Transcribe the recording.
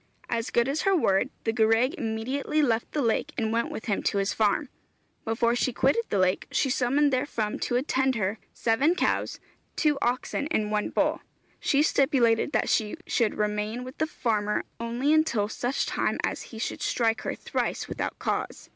As good as her word, the gwraig immediately left the lake and went with him to his farm. Before she quitted the lake she summoned therefrom to attend her, seven cows, two oxen, and one bull. She stipulated that she should remain with the farmer only until such time as he should strike her thrice without cause.